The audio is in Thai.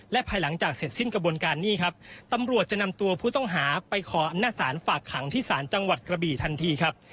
และภายหลังจากเสร็จสิ้นกระบวนการนี้ครับตำรวจจะนำตัวผู้ต้องหาไปขออำนาจศาลฝากขังที่ศาลจังหวัดกระบี่ทันทีครับ